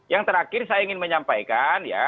yang terakhir saya ingin menyampaikan ya